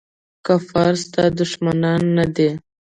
کفار ستا دښمنان نه دي.